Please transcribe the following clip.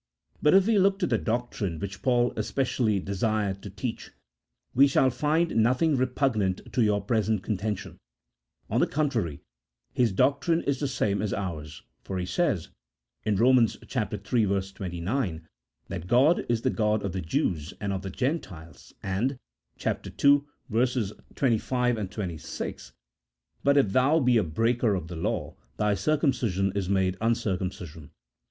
But if we look to the doctrine which Paul especially desired to teach, we shall find nothing repugnant to our present contention ; on the contrary, his doctrine is the same as ours, for he says (Eom. iii. 29) " that God is the God of the Jews and of the Gentiles, and" (ch. ii. 25, 26) " But, if thou be a breaker of the law, thy circumcision is made uncircumcision.